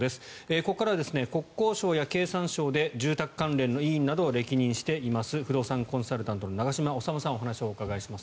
ここからは国交省や経産省で住宅関連の委員などを歴任しています不動産コンサルタントの長嶋修さんにお話をお伺いします。